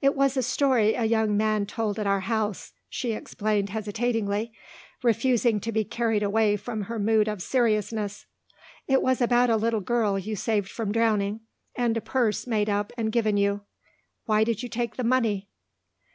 "It was a story a young man told at our house," she explained hesitatingly, refusing to be carried away from her mood of seriousness. "It was about a little girl you saved from drowning and a purse made up and given you. Why did you take the money?"